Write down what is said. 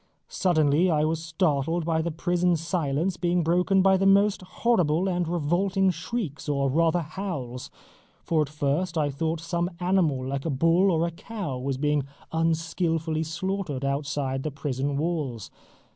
Suddenly I was startled by the prison silence being broken by the most horrible and revolting shrieks or rather howls, for at first I thought some animal like a bull or a cow was being unskilfully slaughtered outside the prison walls.